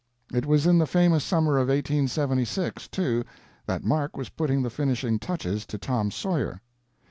It was in the famous summer of 1876, too, that Mark was putting the finishing touches to Tom Sawyer.